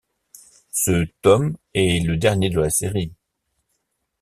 Ce tome est le dernier de la série.